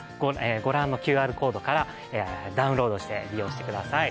ご覧のＱＲコードからダウンロードして利用してください。